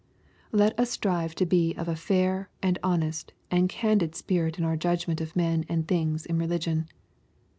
Let us strive to be of a fair, and honest, and candid spirit in our judgment of men and things in religion.